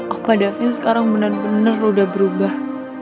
opa davin sekarang bener bener udah berubah